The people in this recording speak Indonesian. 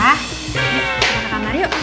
yuk kita ke kamar yuk